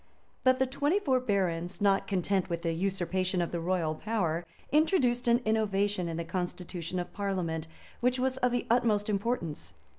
But the twenty four barons, not content with the usurpation of the royal power, introduced an innovation in the constitution of parliament, which was of the utmost importance.